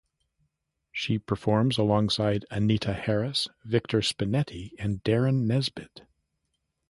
She performs alongside Anita Harris, Victor Spinetti, and Derren Nesbitt.